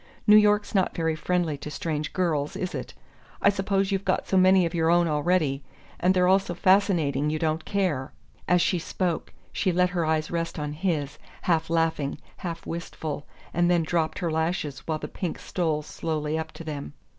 New York's not very friendly to strange girls, is it? I suppose you've got so many of your own already and they're all so fascinating you don't care!" As she spoke she let her eyes rest on his, half laughing, half wistful, and then dropped her lashes while the pink stole slowly up to them.